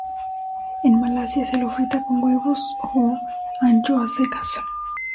En Malasia se lo frita con huevos o anchoas secas.